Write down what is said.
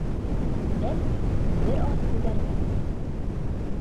Бәлки, бер аҙ түләрҙәр ҙә.